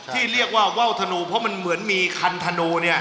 ที่เรียกว่าว่าวธนูเพราะมันเหมือนมีคันธนูเนี่ย